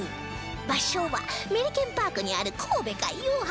場所はメリケンパークにある神戸海洋博物館